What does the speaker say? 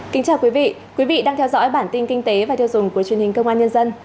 kính chào quý vị quý vị đang theo dõi bản tin kinh tế và tiêu dùng của truyền hình công an nhân dân